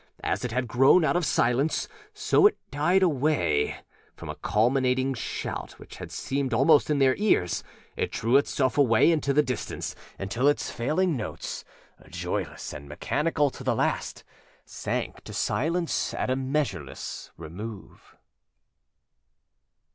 As it had grown out of silence, so now it died away; from a culminating shout which had seemed almost in their ears, it drew itself away into the distance, until its failing notes, joyless and mechanical to the last, sank to silence at a measureless remove.